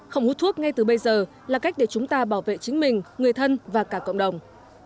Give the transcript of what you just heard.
không hút thuốc ngay từ bây giờ là cách để chúng ta bảo vệ chính mình người thân và cả cộng đồng